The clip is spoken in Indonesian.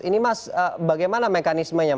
ini mas bagaimana mekanismenya